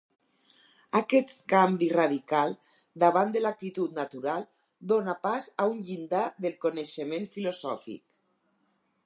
Aquest canvi radical davant de l'actitud natural dóna pas a un llindar del coneixement filosòfic.